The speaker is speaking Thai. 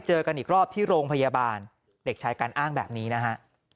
เจอกันอีกรอบที่โรงพยาบาลเด็กชายกันอ้างแบบนี้นะฮะ